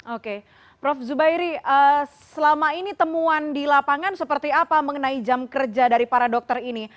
oke prof zubairi selama ini temuan di lapangan seperti apa mengenai jam kerja dari para dokter ini